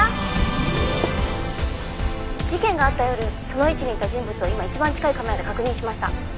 「事件があった夜その位置にいた人物を今一番近いカメラで確認しました」